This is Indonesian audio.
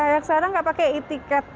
yang sekarang nggak pakai e ticket